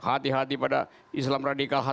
hati hati pada islam radikal